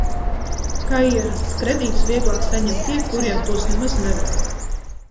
Kā ierasts, kredītus vieglāk saņem tie, kuriem tos nemaz nevajag.